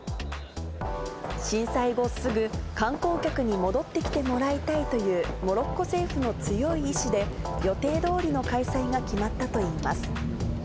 震災後すぐ、観光客に戻ってきてもらいたいというモロッコ政府の強い意思で、予定どおりの開催が決まったといいます。